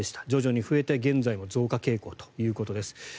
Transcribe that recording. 徐々に増えて現在も増加傾向ということです。